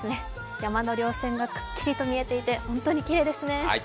山のりょう線がくっきりと見えていて本当にきれいですね。